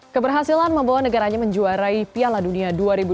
keberhasilan membawa negaranya menjuarai piala dunia dua ribu dua puluh